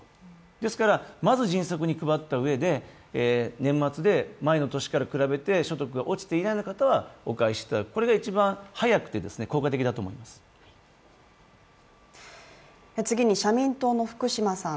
ですから、まず迅速に配ったうえで、年末で前の年から比べて所得が落ちていない方はお返しいただくこれが一番早くて社民党の福島さん。